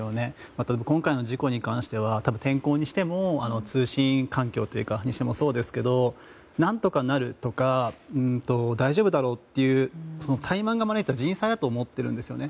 また、今回の事故に関しては天候にしても通信環境にしてもそうですけど何とかなるとか大丈夫だろうという怠慢が招いた人災だと思っているんですよね。